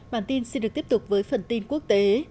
bản tin sẽ được tiếp tục với phần tin quốc tế